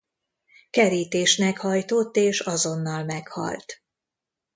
Kerítésnek hajtott és azonnal meghalt.